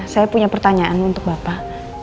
saya punya pertanyaan untuk bapak